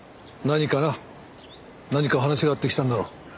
何か話があって来たんだろう。